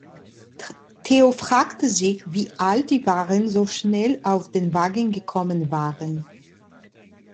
Theo fragte sich wie all die Waren so schnell auf den Wagen gekommen waren.